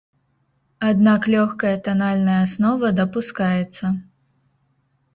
Аднак лёгкая танальная аснова дапускаецца.